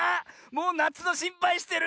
もうなつのしんぱいしてる！